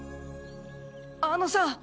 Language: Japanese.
あのさ。